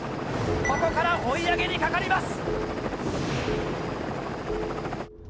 ここから追い上げにかかります。